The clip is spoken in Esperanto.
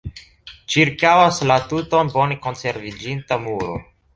Ĉirkaŭas la tuton bone konserviĝinta muro.